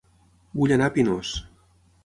Vull anar a Pinós